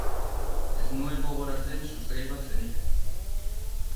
Ez nuen gogoratzen sustrai bat zenik.